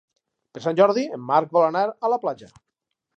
Per Sant Jordi en Marc vol anar a la platja.